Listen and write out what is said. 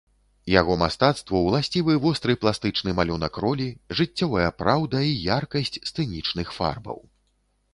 Яго мастацтву уласцівы востры пластычны малюнак ролі, жыццёвая праўда і яркасць сцэнічных фарбаў.